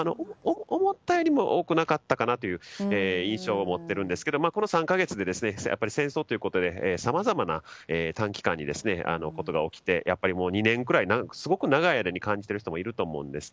思ったよりも多くなかったかなという印象を持っているんですけどこの３か月で戦争ということでさまざまなことが起きてやっぱりすごく長い間に感じている人もいると思います。